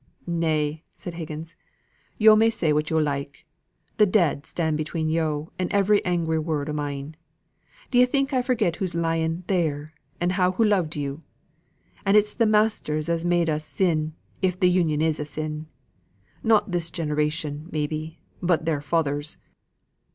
"Nay," said Higgins, "yo' may say what yo' like. The dead stand between yo' and every angry word o' mine. D'ye think I forget who's lying there, and how hoo loved yo'? And it's th' masters as has made us sin, if th' Union is a sin. Not this generation maybe, but their fathers.